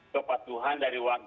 kepatuhan dari warga